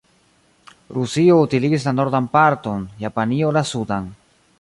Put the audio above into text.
Rusio utiligis la nordan parton, Japanio la sudan.